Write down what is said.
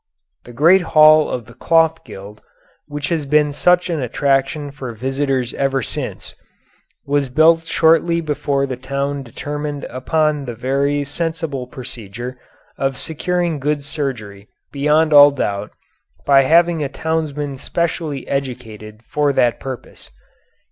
The great hall of the cloth gild, which has been such an attraction for visitors ever since, was built shortly before the town determined upon the very sensible procedure of securing good surgery beyond all doubt by having a townsman specially educated for that purpose.